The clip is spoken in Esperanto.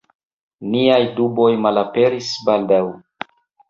Niaj duboj malaperis baldaŭ.